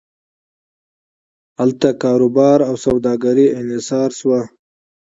هلته کاروبار او سوداګري انحصار شوه.